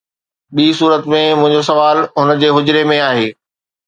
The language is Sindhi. ٻي صورت ۾، منهنجو سوال هن جي حجري ۾ آهي